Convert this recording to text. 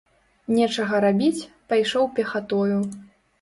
Нечага рабіць, пайшоў пехатою.